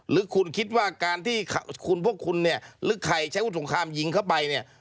หรือคุณคิดว่าการที่คุณพวกคุณเนี่ยหรือใครใช้วุฒิสงครามยิงเข้าไปเนี่ย